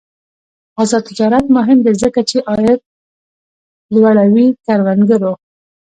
آزاد تجارت مهم دی ځکه چې عاید لوړوي کروندګرو.